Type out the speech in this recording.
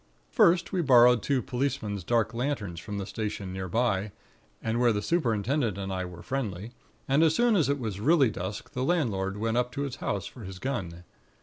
"First, we borrowed two policemen's dark lanterns from the station nearby, and where the superintendent and I were friendly, and as soon as it was really dusk, the landlord went up to his house for his gun.